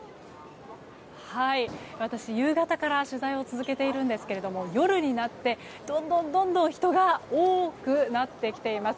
私は夕方から取材を続けているんですが夜になって、どんどん人が多くなってきています。